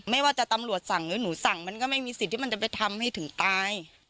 ไม่ว่าจะตำรวจสั่งหรือหนูสั่งมันก็ไม่มีสิทธิ์ที่มันจะไปทำให้ถึงตาย